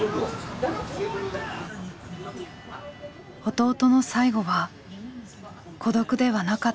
弟の最期は孤独ではなかったのか。